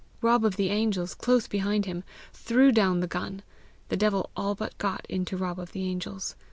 Rob of the Angels, close behind him, threw down the gun. The devil all but got into Rob of the Angels.